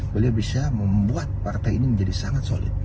beliau bisa membuat partai ini menjadi sangat solid